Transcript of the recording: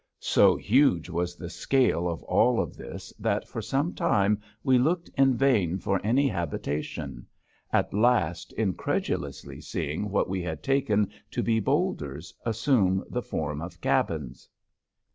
So huge was the scale of all of this that for some time we looked in vain for any habitation, at last incredulously seeing what we had taken to be bowlders assume the form of cabins.